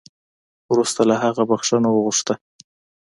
وروسته له هغه بخښنه وغوښته